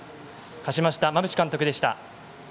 勝ちました、馬淵監督でした。